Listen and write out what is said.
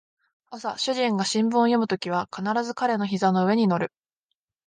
朝主人が新聞を読むときは必ず彼の膝の上に乗る